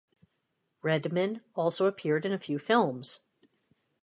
Redman also appeared in a few films.